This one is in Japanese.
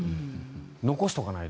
残しておかないで。